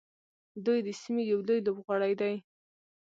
دوی د سیمې یو لوی لوبغاړی دی.